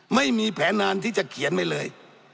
ไม่มีแผนนานที่จะเขียนไว้เลย